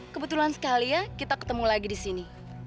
kebetulan sekali ya kita ketemu lagi disini